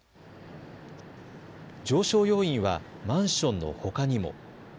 上昇要因はマンションのほかにも。